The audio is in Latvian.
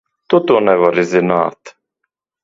Tu to nevari zināt!